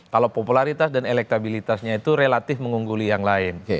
kalau popularitas dan elektabilitasnya itu relatif mengungguli yang lain